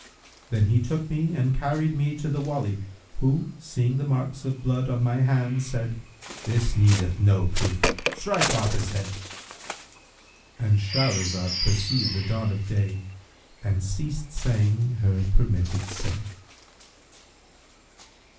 Then he took me and carried me to the Wali who, seeing the marks of blood on my hand said, 'This needeth no proof: strike off his head!'—And Shahrazad perceived the dawn of day and ceased saying her permitted say.